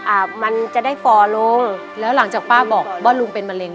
อาจจะได้ฟอลงแล้วหลังจากป้าบอกว่าลุงเป็นมะเร็